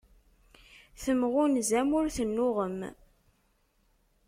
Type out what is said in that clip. Temɣunzam ur tennuɣem.